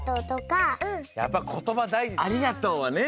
ありがとうはね。